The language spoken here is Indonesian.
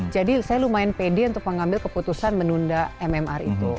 saya lumayan pede untuk mengambil keputusan menunda mmr itu